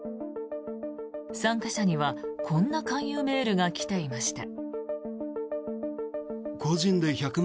参加者には、こんな勧誘メールが来ていました。